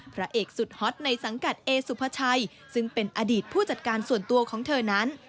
พระเอกสุดฮอตในสังกัดเอสุภาชัยซึ่งเป็นอดีตผู้จัดการส่วนตัวของเธอนั้น